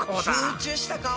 集中した顔。